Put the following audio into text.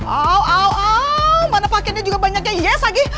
auu au au mana paketnya juga banyaknya yes lagi